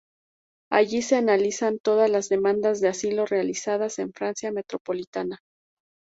Allí se analizan todas las demandas de asilo realizadas en Francia metropolitana.